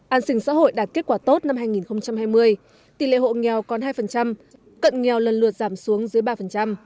an sinh xã hội đạt kết quả tốt năm hai nghìn hai mươi tỷ lệ hộ nghèo còn hai cận nghèo lần lượt giảm xuống dưới ba